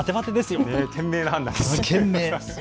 懸命な判断です。